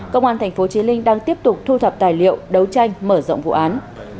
công an tp hcm đang tiếp tục thu thập tài liệu đấu tranh mở rộng vụ án